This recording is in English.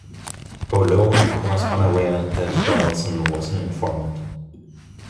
O'Loan was unaware that Donaldson was an informant.